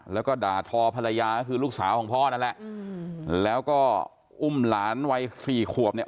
แล้วก็ด่าทอภรรยาก็คือลูกสาวของพ่อนั่นแหละแล้วก็อุ้มหลานวัยสี่ขวบเนี่ย